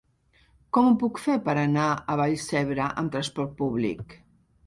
Com ho puc fer per anar a Vallcebre amb trasport públic?